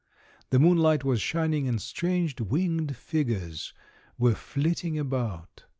The moonlight was shining and strange winged figures were flitting about.